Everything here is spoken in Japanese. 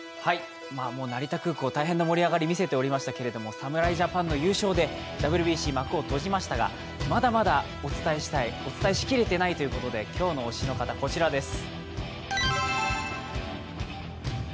もう成田空港大変な盛り上がり見せていましたけれども侍ジャパンの優勝でＷＢＣ幕を閉じまたが、まだまだお伝えしたい、お伝えしきれていないということで、今日の推しの方、こちらです。